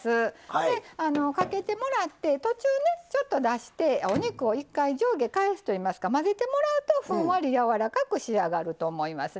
かけてもらって途中、ちょっと出してお肉を一回、上下返すといいますか混ぜてもらうと、ふんわりやわらかく仕上がると思います。